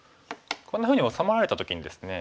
こんなふうに治まられた時にですね